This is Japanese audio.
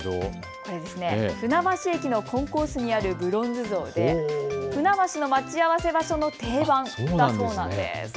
これ、船橋駅のコンコースにあるブロンズ像で船橋の待ち合わせ場所の定番だそうなんです。